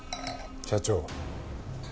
社長。